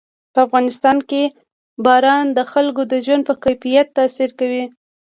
په افغانستان کې باران د خلکو د ژوند په کیفیت تاثیر کوي.